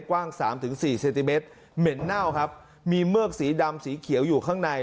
กว้างสามถึงสี่เซนติเมตรเหม็นเน่าครับมีเมือกสีดำสีเขียวอยู่ข้างใน